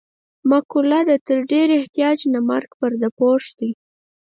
مقوله ده: تر ډېر احتیاج نه مرګ پرده پوښ دی.